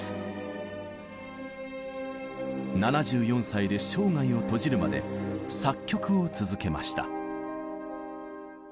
７４歳で生涯を閉じるまで作曲を続けました。